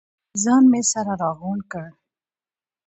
ځان مې سره راغونډ کړ.